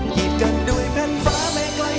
หยิบกันด้วยแผ่นฟ้าไม่ไกล